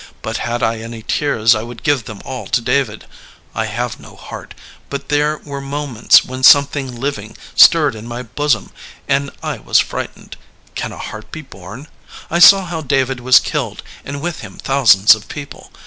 But had I any tears I would give them all to David. I have no heart, but there were moments when something living stirred in my bosom, and I was frightened. Can a heart be bom? I saw how David was killed and with him thousands of people.